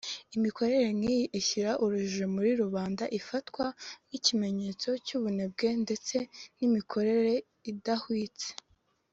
Imikorere nk’iyi ishyira urujijo muri rubanda ifatwa nk’ikimenyetso cy’ubunebwe ndetse n’imikorere idahwitse